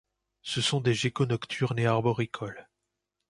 Ce sont de geckos nocturnes et arboricoles.